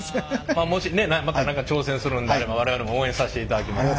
まあもしまた何か挑戦するんであれば我々も応援させていただきます。